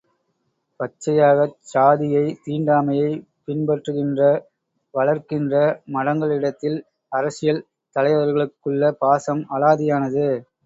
பச்சையாகச் சாதியை தீண்டாமையைப் பின்பற்றுகின்ற வளர்க்கின்ற மடங்களிடத்தில் அரசியல் தலைவர்களுக்குள்ள பாசம் அலாதியானது.